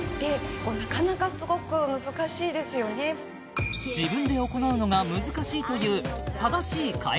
でも自分で行うのが難しいという